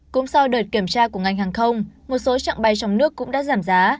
cũng sau đợt kiểm tra của ngành hàng không một số trạng bay trong nước cũng đã giảm giá